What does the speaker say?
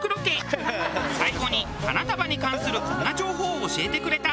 最後に花束に関するこんな情報を教えてくれた。